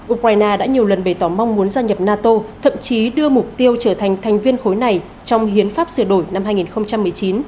ukraine đã nhiều lần bày tỏ mong muốn gia nhập nato thậm chí đưa mục tiêu trở thành thành viên khối này trong hiến pháp sửa đổi năm hai nghìn một mươi chín